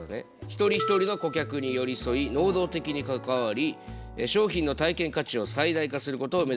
一人一人の顧客に寄り添い能動的に関わり商品の体験価値を最大化することを目指すという考え方。